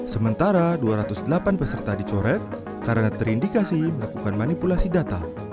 sementara dua ratus delapan peserta dicoret karena terindikasi melakukan manipulasi data